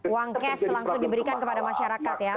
uang cash langsung diberikan kepada masyarakat ya